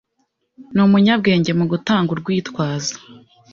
Ni umunyabwenge mu gutanga urwitwazo